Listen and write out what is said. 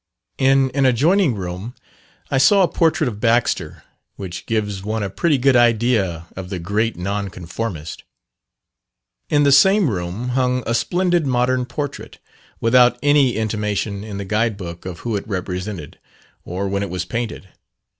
In an adjoining room I saw a portrait of Baxter, which gives one a pretty good idea of the great Nonconformist. In the same room hung a splendid modern portrait, without any intimation in the guide book of who it represented, or when it was painted.